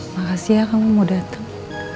makasih ya kamu mau datang